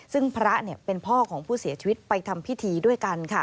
ซึ่งพระเป็นพ่อของผู้เสียชีวิตไปทำพิธีด้วยกันค่ะ